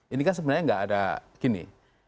ini kan sebenarnya nggak ada gini